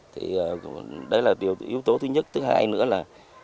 thì đấy là yếu tố thứ nhất thứ hai nữa là